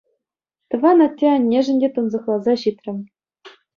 Тӑван атте-аннешӗн те тунсӑхласа ҫитрӗм.